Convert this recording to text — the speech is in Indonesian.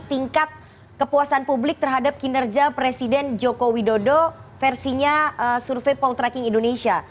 tingkat kepuasan publik terhadap kinerja presiden joko widodo versinya survei poltreking indonesia